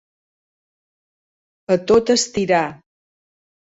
A tot estirar.